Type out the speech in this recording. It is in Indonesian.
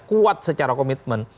kuat secara komitmen